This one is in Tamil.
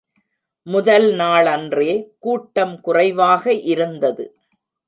முதல் நாளன்றே கூட்டம் குறைவாக இருந்தது.